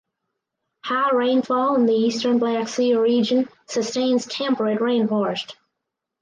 High rainfall in the eastern Black Sea Region sustains temperate rainforest.